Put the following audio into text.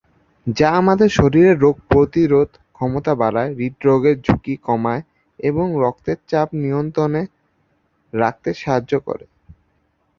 যা আমাদের শরীরের রোগ প্রতিরোধ ক্ষমতা বাড়ায়, হৃদরোগের ঝুঁকি কমায় এবং রক্তের চাপ নিয়ন্ত্রণে রাখতে সাহায্য করে।